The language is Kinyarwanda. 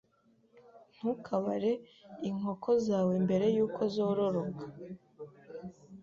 Ntukabare inkoko zawe mbere yuko zororoka.